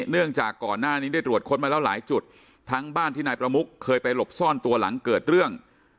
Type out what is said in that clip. เนื่องจากก่อนหน้านี้ได้ตรวจค้นมาแล้วหลายจุดทั้งบ้านที่นายประมุกเคยไปหลบซ่อนตัวหลังเกิดเรื่อง